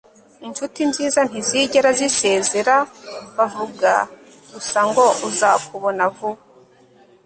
inshuti nziza ntizigera zisezera bavuga gusa ngo uzakubona vuba